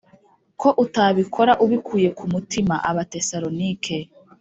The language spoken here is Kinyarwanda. ko utabikora ubikuye ku mutima Abatesalonike